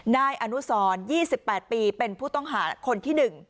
นายอนุสร๒๘ปีเป็นผู้ต้องหาคนที่๑